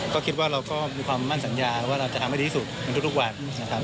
ก็คิดว่าเราก็มีความมั่นสัญญาว่าเราจะทำให้ดีที่สุดในทุกวันนะครับ